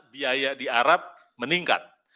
biaya di arab meningkat